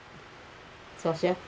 そうしよう。